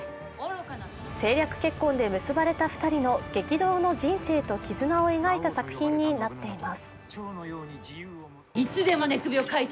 政略結婚で結ばれた２人の激動の人生と絆を描いた作品になっています。